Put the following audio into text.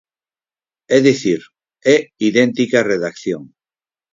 É dicir, é idéntica redacción.